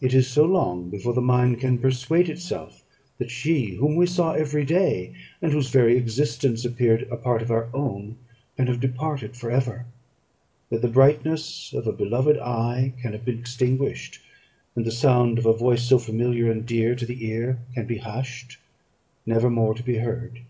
It is so long before the mind can persuade itself that she, whom we saw every day, and whose very existence appeared a part of our own, can have departed for ever that the brightness of a beloved eye can have been extinguished, and the sound of a voice so familiar, and dear to the ear, can be hushed, never more to be heard.